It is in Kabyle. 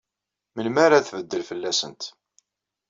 Melmi ara tbeddel fell-asent.